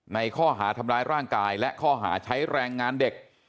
ในข้อหาทำร้ายร่างกายและข้อหาใช้แรงงานเด็ก